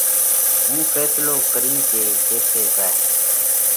هُون ڦينصلو ڪرِيه جي ڪيٿئہ زائِيه۔